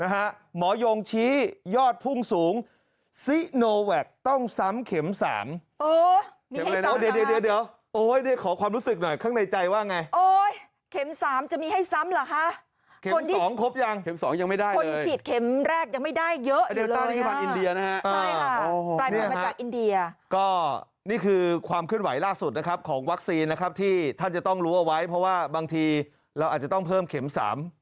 หมอยงชี้ยอดพุ่งสูงซิโนแวคต้องซ้ำเข็มสาม